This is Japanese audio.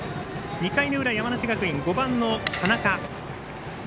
２回の裏、山梨学院５番の佐仲。